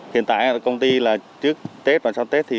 hiện tại công ty trước tết và sau tết